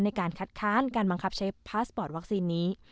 ในการคัดค้านการบังคับใช้พาสปอร์ตวัคซีนนี้